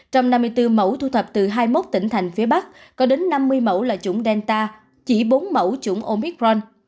trong năm mươi bốn mẫu thu thập từ hai mươi một tỉnh thành phía bắc có đến năm mươi mẫu là chủng delta chỉ bốn mẫu chủng omicron